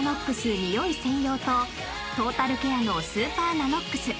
ニオイ専用とトータルケアのスーパーＮＡＮＯＸ